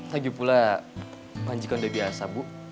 lagi pula panji kan udah biasa bu